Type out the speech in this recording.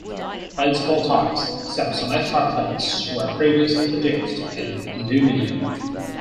Plates of all types, except some F-type plates, were previously produced in aluminium.